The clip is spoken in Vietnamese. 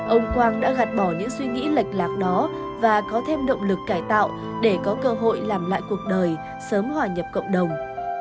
ông quang đã gạt bỏ những suy nghĩ lệch lạc đó và có thêm động lực cải tạo để có cơ hội làm lại cuộc đời sớm hòa nhập cộng đồng